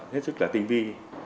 hết sức là tinh vi